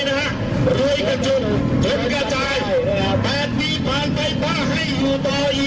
ภาคภูมิภาคภูมิภาคภูมิ